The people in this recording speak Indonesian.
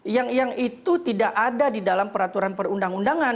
yang itu tidak ada di dalam peraturan perundang undangan